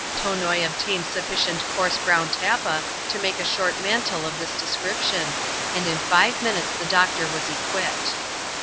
1? Tonoi obtained sufficient coarse brown tappa to make a short t mantle of this description ; and in five minutes the doctor was equipped.